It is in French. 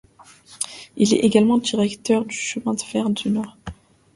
Il est également directeur du chemin de fer du Nord.